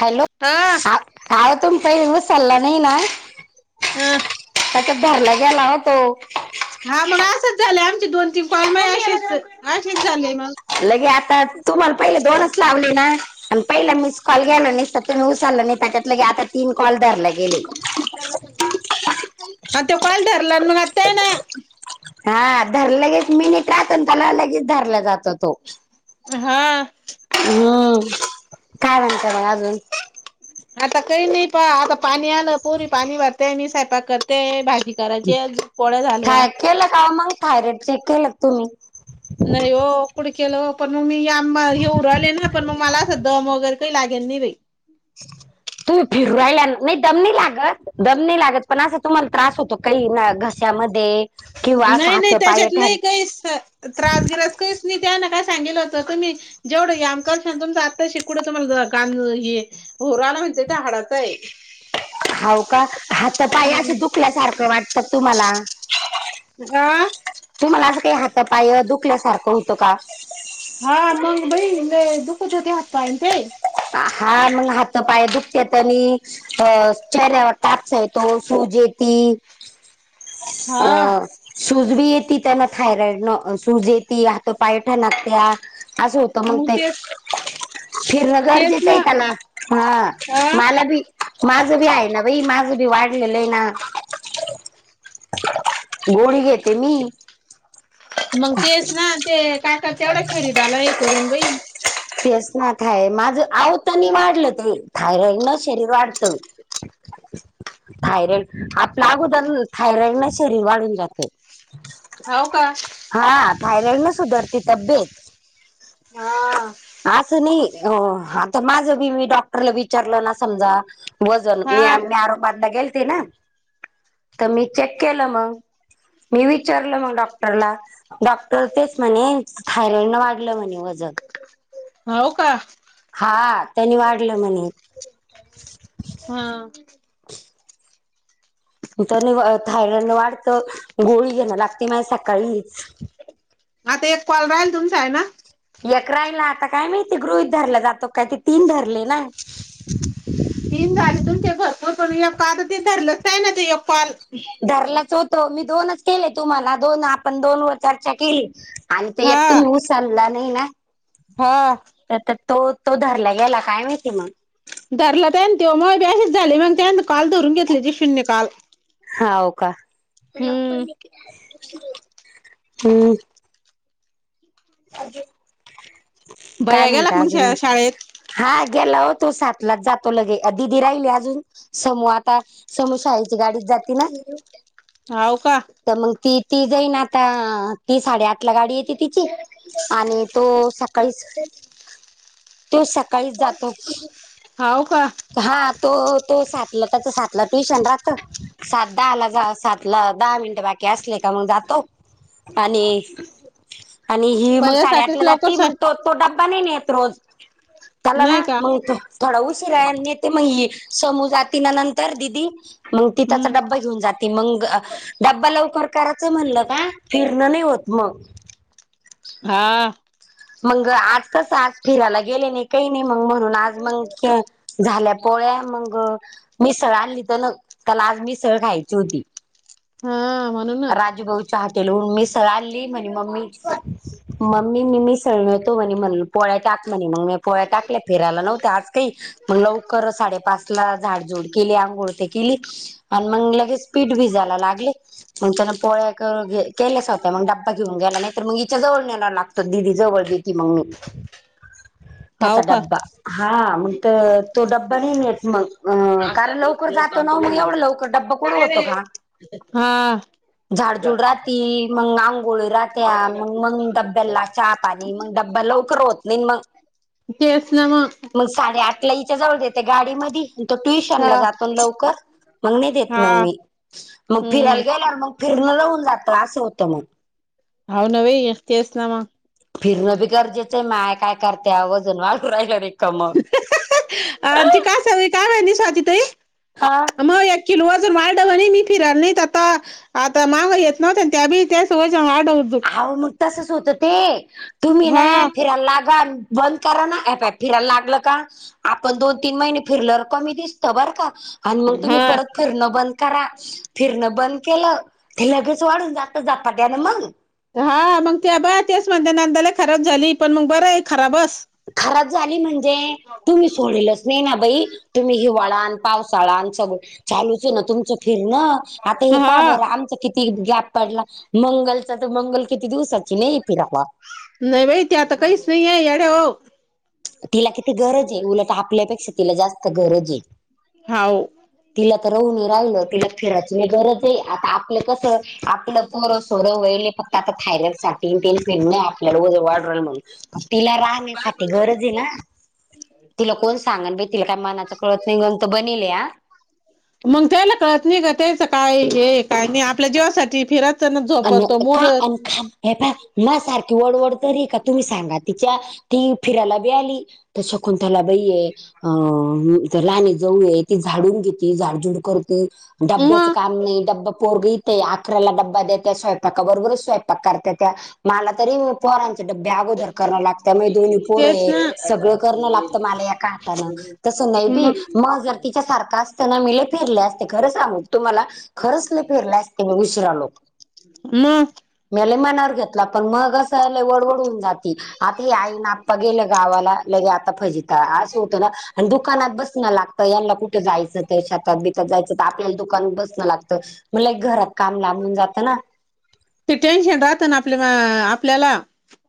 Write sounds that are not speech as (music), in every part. Hello. हा हा तुमचा ऊस चाला नाही ना. अ. त्याच्यात भरला गेला ना तो. हा मग असंच झाल आमची दोन, तीन कॉलम मग अशीच अशीच झालय मग. लगे आता तुम्हाला पहिले दोनच लावले ना? आणि पहिला मिस कॉल घ्याला नाही त्यातून उचललं नाही त्याच्यातले आता तीन कॉल धरले गेले. म ते कॉल धरला मग आ हा धरा लगेच मिनिट राहतन त्याला लगेच धरला जातो तो. हा. हम्म. काय म्हणता मग अजून? आता काही नाही पहा आता पाणी आलं पोरी पाणी भरते. मी स्वयपाक करते भाजी करायची पोळ्या काय झाल्या केलं का मग थायरॉइड चेक केलं तुम्ही? नाही ओ. कुड केलं पण मग मी आंबा हे उ राहिले ना पण मग मला असं दम वगैरे काय लागेल नाही बई. तुम्ही फिरायला नाही दम नई लागत दमनी नई लागत पण असा तुम्हाला त्रास होतो काही ना घशामध्ये किंवा असं नाही हात नाही पाय त्याच्यात ठण नाही काही त्रासगिरस काहीच नाही त्याना काय सांगितलं होत तुमी जेवढं या आमकाल सांगतम आता शिकवड तुम्हाला गाण हे होरा आला म्हणते ते हाडाचा हाय. हाव का? हा तर पाय असं दुखल्यासारखं वाटत तुमला? आ तुम्हाला असं काही हात, पाय दुखल्यासारखं होतं का? हा मंग बई दुःखत होते हातपाय आणि ते. हा. मंग हात, पाय दुखत्यात आणि अ चेहऱ्यावर ताप येतो, सुज येती. हा अं. सुज बी येती. त्यान थायरॉइड न सुज येती हात, पाय ठणकत्या. असं होत मग ते फिर तेच गरजेचं ना आहे त्याला हा अ मला बी माझं बी आहे ना बई माझ बी वाढलेलं आहे ना. गोळी घेते मी. मग तेच ना ते काका तेवढा खरीदला हे करून बई तेच ना खा माग. आवतानी वाढलं ते थायरॉइड न शरीर वाढतं. थायरॉइड आपल्या अगोदर थायरॉइड ना शरीर वाढून जातं. होव का. थायरॉईडनी सुधरती तब्येत. हा असं नाही आता माझ बी मी डॉक्टरला विचारलं ना समजा वजन हा मी आमरोबादला गेलती ना तर मी चेक केलं मग. मी विचारलं मग डॉक्टरला. डॉक्टर तेच म्हणे थायरॉइड न वाढलं म्हणे वजन. होव का. हा त्यांनी वाढलं म्हणे हा तर थायरॉइड न वाढत गोळी घेणं लागते मा सकाळीच. आता एक कॉल राहील तुमचा आहे ना. यकराईला आता काय माहिती गृहित धरला जातो काय ते तीन धरले ना. तीन झाली तुमचे भरपूर पण या पा ते धरलंच नाही ना एक कॉल. धरलाच होत मी दोनच केले तुम्हाला दोन आपण दोन वर चर्चा केली. आणि ते हा एकटून म उचलला नाही ना. हा तर तर तो तो धरला गेला काय माहिती मग. धरला त्यान ते मग बी असेच झाले मग त्यांत काल धरून घेतले ते शून्य काल. हा हो का हम्म हम्म. काय भैया गेला का म्हणता मग अजून शा म? शाळेत हा गेला हो तो सातलाच जातो लगे दीदी राहिली अजून समू आता. समू शाळेच्या गाडीत जाती ना? होव का. तर मग ती ती जाईन आता ती साडेआठ ला गाडी येते तिची आणि तो सकाळी तो सकाळीच जातो. होव का. हा तो तो सातला त्याच सातला ट्युशन राहत सात दहा ला जा सात ला दहा मिनट बाकी असले का मग जातो. आणि आणि ही मग साडेआठ बयासाठीच ला जात लवकर स मग तो तो डबा नाही रोज त्याला नाही ना का मग थोडा उशीर त्याला नीती मग ही समू जाती ना नंतर दिदी मग ति त्याचा हम्म डब्बा घेऊन जाते. मग ड्बा लवकर करायचं म्हणलं का फिरणं नाही होत मग. हा मग आज कस आज फिरायला गेले नाही काही नाही मग म्हणून आज मग झाल्या पोळ्या मग मिसळ आणली तर न त्याला आज मिसळ खायची होती. हा म्हणूनच. राजू भाऊ. हॉटेल वरून मिसळ आणली मम्मी मम्मी मी मिसळ ळतो म्हणे पोळ्या टाक म्हणे मग म पोळ्या टाकल्या फिरायला नव्हत आज काही. मग लवकर साडेपाच ला झाडजुड केली आंघोळ ते केली. आणि मग लगेच पीठ भिजायला लागले. मग त्याना पोळ्या केल्याच होत मग डबबा घेऊन गेयला नाही तर मग हिच्या जवळ न्यायला लागतो दिदी. जवळ भीती मगून त्याचा हाव का? डब्बा. हा म्ह तो डब्बा नाही नेत मग. अं कारण लवकर जातो ना मग एवढं लवकर डब्ब कुडं काय होतो रे? का हा. झाडझुड राहती मग आंघोळी राहत्या मग मग डब्या ला का पाणी मग डब्बा लवकर होत नाही मग ते असनामा मग साडे आठला याच्या जवळ येते गाडी मध तो हा. ट्युशनला जातन लवकर मग नाही देत मग हा. मी मग हम्म. फिरायला गेला मग फिरण लाऊन जात असं होतं मग होा नव अखतस नामा फिरणं बी गरजेचं आहे माय काय करते वजन वाढवू राहिला र कमग. अ ती कासा काय माहि स्वाती ताई आहे. हा. मग या किलो वाचजर मालडव नाही मी फिराला नाहीत आता आता माग येत नव्हत त्या बी त्या स वच्या वाढवत. अह मग तसच होत ते तुम्ही ना हा. फिरायला लागा. बंद करा ना हे पाय फिरायला लागलं का? आपण दोन तीन महिने फिरल र कमी दिसत बरं का आणि मग तुम्ही हा. परत फिरणं बंद करा फिरणं बंद केलं ते लगेच वाढून जात झपाट्यानं मग. हा मग ते ब तेच म्हणज नांदायला खराब झाली पण मग बरं खराबस खराब झाली म्हणजे तुम्. सोडलच नाही ना बाई तुम्ही हिवाळ आणि पावसाळा स चालूच आहे ना तुमच? फिर न आता हे पा हा. बरं आमचं किती? किती गॅप पडला मंगलचा तर मंगल किती दिवसाची नाही फिरावा. नाही माहिती आता काहीच नाहीय याड हो. तिला किती गरज आहे उलट आपल्यापेक्षा तिला जास्त गरज आहे. होाव. तिला तर राहून राहिलं तिला फिरायची गरज आहे आता आपलं कस आपलं. ं सोरं वे फक्त आता थायरॉइड सा तेल फिड नाही आपल्याला वाढल म्हणून तिला राहण्यासाठी गरज आहे ना तिला कोण सांगल बाई तिला काय मनात तोत निगंतु बनलि मग त्याला कळत नाही का त्याचं काय हे काय नाही आपल्या जीवासाठी फिरत. त्यांना अन झोपतो का मोडत. अन खा हे पा म सारखी वडवड तरी आहे का तुम्ही सांगा तिच्या ती फिरायला बी आली. त्या शकुंंतला बाईे. अ राने जवळ ती झाडून घेते झाडजुड करत. डब्याचं मग काम नाही डब्बा पोरगेते अकरा्याला डब्बा देत. त्या स्वयंपाकाबरोबरच स्वयंपाक करतात त्या मला तरी पोरांचे डब्या अगोदर करणं लागतं म दोन्ही पोरं तेच आहे ना सगळं करणं लागतं मला या का हातानं. तसं नाही बी मग जर तिच्या सारखा असत ना मीले फिरले असते खरं सांग तुम्हाला खरंच नाही फेरलंचते मी उशीिरा आलोक. ना. म मनावर घेतला पण मग असं झा वडवड होन जात. आता ह आई ना आप्पा गेलं गावाला लगे आता फजता असं होतं ना. आणि दुकानात बसणं लागतं यांना कुठे जायचं तर छातात बितात जायचं तर आपल्याला दुकानात बसणं लागतं. म्हला एक घरात काम लांबून जातं ना. ते टेन्शन राहतं ना आपल्या आपल्याला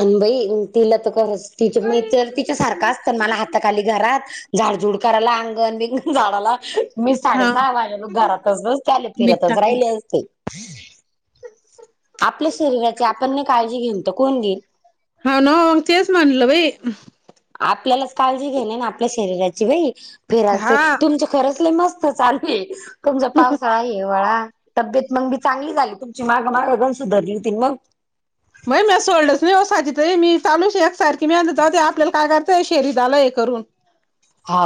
अनभई तिला तर खरच. तिच मग तर तिच्या सारखं असत मला हाताखाली घरात झाडजुड करायला अंगण बी झाडाला मी हा साडेसहा वाजेला घरातच त्याले मीठ फिरतच टाकलं राहिले असते. आपल्या शरीराची आपण नाही काळजी घेन त कोण घेईन. ह नाोग तेच मनल भाई. आपल्याला काळजी घेणे ना आपल्या शरीराची बाई फिरा हा तुमच? खरचले मस्त चालू तुमचा पावसा आहे केवळा तब्येत मग बी चांगली झाली तुमची माग माग अगण सुधरली होती मग मग म सोल्डर्स नाहीसा मी लू एकसारखी मह जा आपल्याला काय करताय शेरी झा आलाय करून हा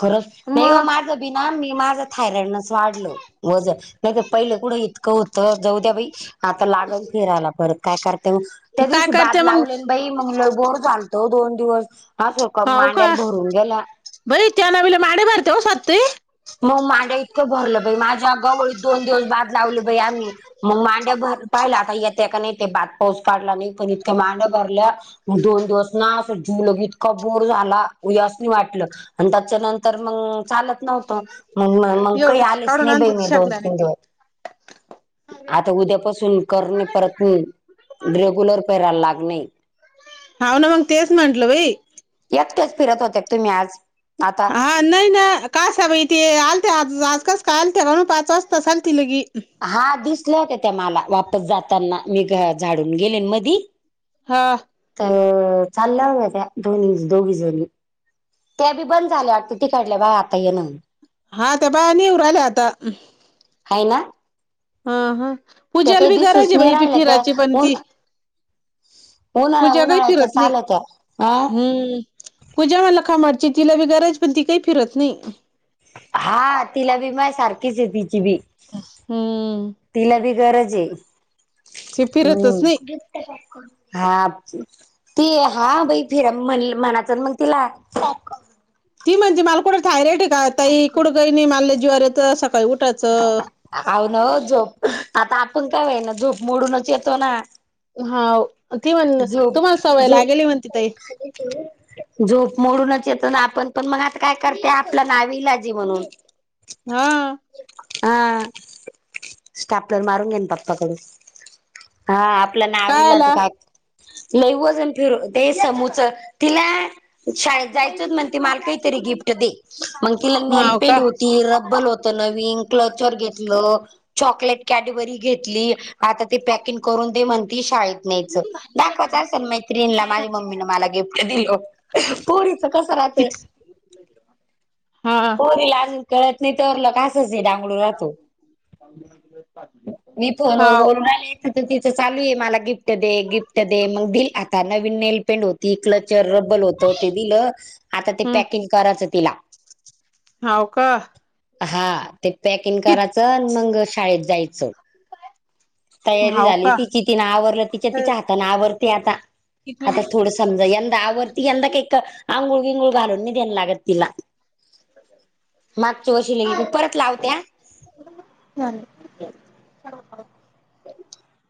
खरच नाही मग मार मी माझं थायरइड वाढल व नाही तर पहिले कुठं इतकं होत जाऊ द्या बाई आता लागल फिरायला परत काय करते मग त्या काय दिवशी करते बाद मग लावले बाई मंग बोर चालतो दोन दिवस हा सोक मांड्यार भरून गेल्या बैत्या नावला मे बारतेव सत् मग माड्या इतकं भरलं बाई माझ्या गवळीत दोन दिवस बाद लावले बाई आम्ही मग मांड्या भर पाहिला आता येत का नाही ते बात पाऊस काढला नाही पण इतक्या मांड्या भरल्या मग दोन दिवस ना अस जीवलं इतका बोर झाला असं नाही वाटलं आणि त्याच्या नंतर मग चालत नव्ह ग मग काही एवढेच आलेच काढून नाही ब आणते मी दोन तीन शेंगदाण्याचे. दिवस आता उद्यापासून करणे परत नाही रेगुलर पेरायला लागणे हा ना मग तेच म्हांटलं भाई एकटेच फिरत होते तुम्ही आज आता हां नाही नाही काश बा इ तेे आलते आज आजकास काय आलते म्हणून पाच वाजता आल त लगी हा दिसला होत त्या मला वापस जाताना मी झाडून गेले मधी हा तर चाललं त्या दोन् दोघी जरी त्या बी बंद झाल्या वाटते ती काडल्या बा आता ये न हा ते बा नीवर आल्या आता ह ना हा हा त्या पूज्याला काही बी गराज दिसूच आहे नाही बाई पी राहिल्या त्या फिरायची पण उन ती उन्हाळ्या पूजा काही फिरत उन्हाळ्याच्याच नाही आल्या त्या. अ हम्म तुझ्या मला खाबडची तिला ब गरज पण ती काही फिरत नाही हा तिला बी माय सारखीच आहे तिची बी हम्म तिला बी गरज आहे ती फिरतच नाही. हम् हा ते हा बई फिरा म्हण मनाच मग तिला ती म्हणजे मालकुडं ठाय रे ठे का आईकडं ग नाही मालल्या जीवार येत सकाळी उठायचं अव न झोप आता आपण काय हो ना झोप मोडूनच येतो ना हा ती म्हण तुम्हाला सवय लागेल म्हण तिथही हो झोप मोडूनच येतो ना आपण पण मग आता काय करते आपलं नावीलाजी म्हणून हा हह स्टॅपलर मारूंगे पपा कड हा आपल्या नावीलाच काय लैवजन फिर ते समूच तिला शाळेत जायचंच म्हण त मला काहीतरी गिफ्ट दे मग तिला हाव नलपेंड का? होती र बबल होत नवीन क्लचर घेतलं चॉकलेट कॅडेबरी घेतली आता ते पॅकिंग करून ते म्हणती शाळेत न्यायचं दाखवायचं असेल मैत्रीणला माझी मम्मीने मला गिफ्ट दिलं पोरीच कस राहते कित हा पोरी लाजून कळत नाही तररलं कासच नाही डगळूर राहातू प दि पा मी फोनवर बोलू राहिले तिचं तिचं चालू आहे मला गिफ्ट दे गिफ्ट मग दिली आता नवीन नेलपेंट होती क्लचर रब्बर होत ते दिलं आता ते हम्म पॅक. किंकाराचं तिला हाव का? हा ते पॅकिंग कित कराचं आणि मंग शाळेत जायचं. तयारी हाव झाली का? तिची तिने आवरलं तिच्या त्या किती हातान आवरते आता, आता मिनिट थोडसं समजा यंदा आवरती यंदा काही क आंघुळ विंगूळ घालून नाही देण लागत तिला (inaudible) मागच्या वर्षी नेलती परत लावते हा. (unintelligible) झाले? (inaudible)